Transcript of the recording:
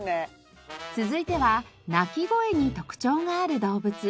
続いては鳴き声に特徴がある動物。